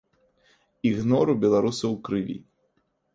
Ігнор у беларусаў у крыві.